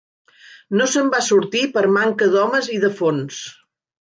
No se'n va sortir per manca d'homes i de fons.